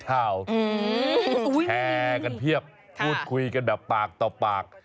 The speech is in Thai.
แชร์กันเพียบพูดคุยกันแบบปากต่อปาก